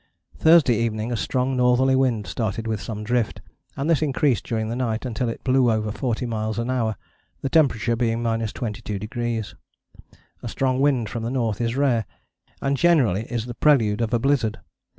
Thursday evening a strong northerly wind started with some drift, and this increased during the night until it blew over forty miles an hour, the temperature being 22°. A strong wind from the north is rare, and generally is the prelude of a blizzard.